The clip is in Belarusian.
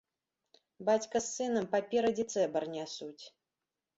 Бацька з сынам паперадзе цэбар нясуць.